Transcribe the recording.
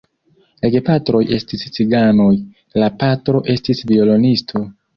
La gepatroj estis ciganoj, la patro estis violonisto.